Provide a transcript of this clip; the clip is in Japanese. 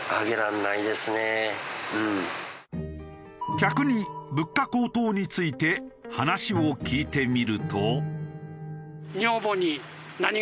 客に物価高騰について話を聞いてみると。